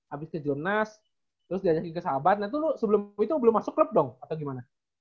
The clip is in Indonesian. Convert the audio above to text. abis ke jurnas terus diajakin ke sahabat nah tuh lu sebelum itu belum masuk klub dong atau gimana